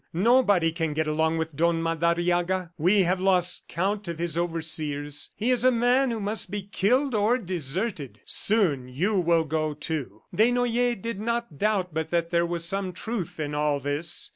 Nobody can get along with Don Madariaga. We have lost count of his overseers. He is a man who must be killed or deserted. Soon you will go, too!" Desnoyers did not doubt but that there was some truth in all this.